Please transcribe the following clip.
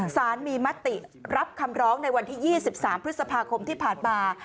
สารมีมติรับคำร้องในวันที่๒๓พฤษภาคมที่ผ่านมา